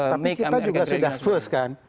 tapi kita juga sudah first kan